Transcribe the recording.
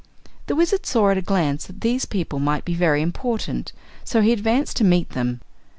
The Wizard saw at a glance that these people might be very important, so he advanced to meet them.